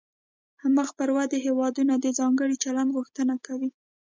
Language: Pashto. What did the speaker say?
مخ پر ودې هیوادونه د ځانګړي چلند غوښتنه کوي